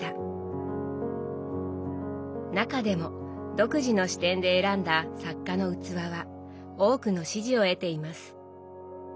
中でも独自の視点で選んだ作家の器は多くの支持を得ています。